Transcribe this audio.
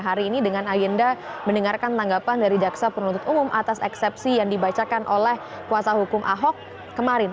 hari ini dengan agenda mendengarkan tanggapan dari jaksa penuntut umum atas eksepsi yang dibacakan oleh kuasa hukum ahok kemarin